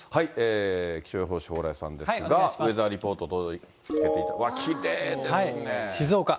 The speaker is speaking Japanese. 気象予報士、蓬莱さんですが、ウェザーリポート届けて、静岡。